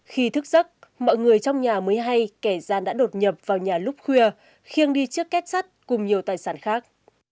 khi thức giấc mọi người trong nhà mới hay kẻ gian đã đột nhập vào nhà lúc khuya khiêng đi trước kết sắt cùng nhiều tài sản khác